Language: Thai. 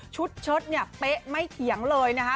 เชิดเนี่ยเป๊ะไม่เถียงเลยนะคะ